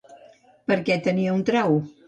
Per què tenia un trau?